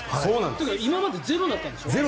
というか今までゼロだったんでしょ。